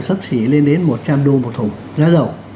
sấp xỉ lên đến một trăm linh đô một thùng giá dầu